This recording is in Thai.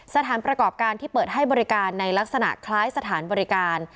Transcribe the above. สถานประกอบการที่เปิดให้บริการในลักษณะคล้ายสถานบริการ